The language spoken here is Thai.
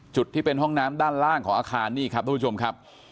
จุดที่เป็นห้องน้ำด้านล่างของอาคารนี่ครับทุกผู้ชมครับ